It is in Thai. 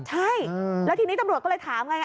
ใช่แล้วทีนี้ตำรวจก็เลยถามไง